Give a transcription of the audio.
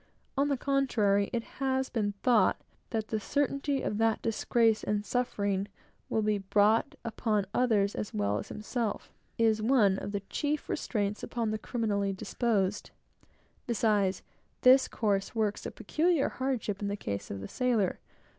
On the contrary, it had been thought that the certainty that disgrace and suffering will be brought upon others as well as himself, is one of the chief restraints upon the criminally disposed. Besides, this course works a peculiar hardship in the case of the sailor.